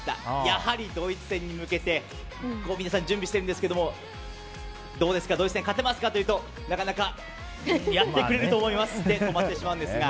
やはりドイツ戦に向けて皆さん準備してるんですけどもどうですかドイツ戦、勝てますかと言うとなかなかやってくれると思いますで止まってしまうんですが。